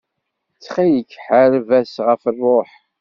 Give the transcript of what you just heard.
Ttxil-k ḥareb-as ɣef ṛṛuḥ.